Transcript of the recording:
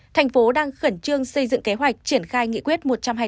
thành phố đang khẩn trương xây dựng kế hoạch triển khai nghị quyết một trăm hai mươi